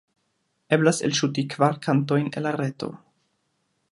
Eblas elŝuti kvar kantojn el la reto.